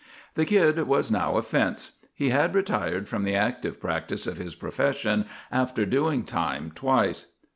The Kid was now a fence. He had retired from the active practice of his profession after doing time twice.